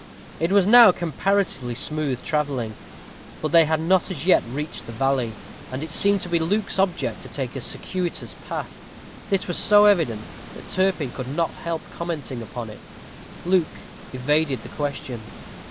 It was now comparatively smooth travelling; but they had not as yet reached the valley, and it seemed to be Luke's object to take a circuitous path. This was so evident that Turpin could not help commenting upon it. Luke evaded the question.